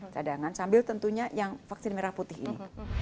cadangan sambil tentunya yang vaksin merah putih ini